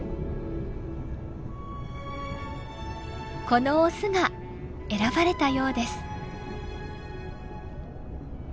このオスが選ばれたようです。